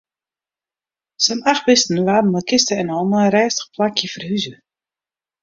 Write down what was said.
Sa'n acht bisten waarden mei kiste en al nei in rêstich plakje ferhuze.